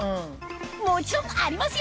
もちろんありますよ！